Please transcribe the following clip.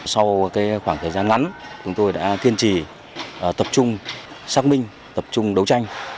sau khoảng thời gian ngắn chúng tôi đã kiên trì tập trung xác minh tập trung đấu tranh